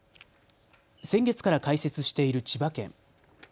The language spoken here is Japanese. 先月から開設している千葉県。